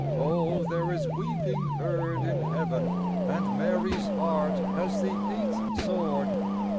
Oh, there is weeping heard in Heaven And Mary's heart has the Eighth Sword.